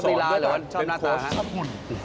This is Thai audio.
ชอบธีราหรือเป็นโค้ชชอบธีราหรือชอบหน้าตา